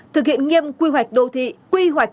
thực hiện nghiêm quy hoạch đô thị quy hoạch